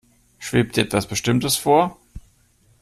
Schwebt dir etwas Bestimmtes vor?